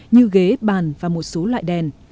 như ghế bàn và một số loại đèn